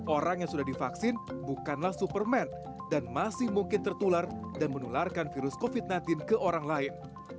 orang yang sudah divaksin bukanlah superman dan masih mungkin tertular dan menularkan virus covid sembilan belas ke orang lain